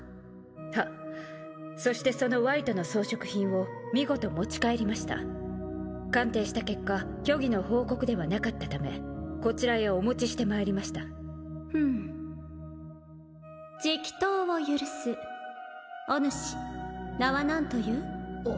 はっそしてそのワイトの装飾品を見事持ち帰りました鑑定した結果虚偽の報告ではなかったためこちらへお持ちしてまいりましたふむ直答を許すおぬし名は何という？